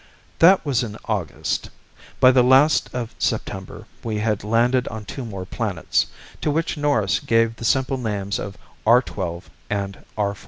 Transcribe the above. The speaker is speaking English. _" That was in August. By the last of September we had landed on two more planets, to which Norris gave the simple names of R 12 and R 14.